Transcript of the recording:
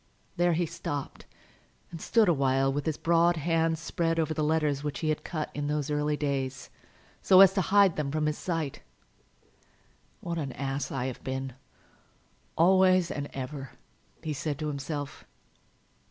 There he stopped and stood a while with his broad hand spread over the letters which he had cut in those early days, so as to hide them from his sight. "What an ass I have been, always and ever!" he said to himself.